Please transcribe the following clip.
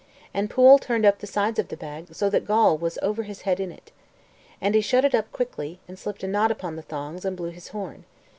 And Pwyll turned up the sides of the bag, so that Gawl was over his head in it. And he shut it up quickly, and slipped a knot upon the thongs, and blew his horn.